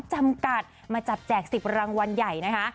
จำกัดมาจับแจก๑๐รางวัลใหญ่นะคะ